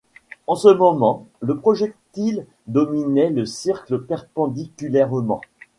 En ce moment, le projectile dominait le cirque perpendiculairement.